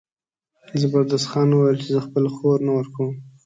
زبردست خان وویل چې زه خپله خور نه ورکوم.